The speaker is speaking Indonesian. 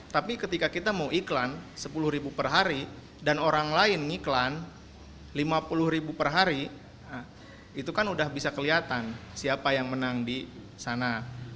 tapi ketika kita mau iklan sepuluh ribu per hari dan orang lain mengiklan lima puluh ribu per hari itu kan udah bisa kelihatan siapa yang menang di sana